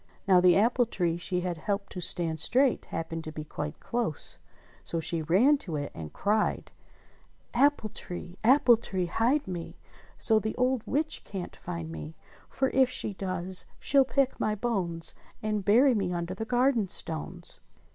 Now the apple tree she had helped to stand straight happened to be quite close ; so she ran to it and cried : I20 ENGLISH FAIRY TALES "Apple tree! Apple tree, hide me So the old witch can't find me, For if she does she'll pick my bones, And bury me under the garden stones."